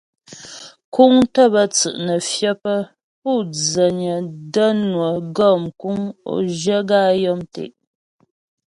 Kúŋ tə́ bə́ tsʉ' nə́ fyə pə́ pu' dzənyə də́ nwə gɔ mkuŋ o zhyə gaə́ á ya' mətɛ.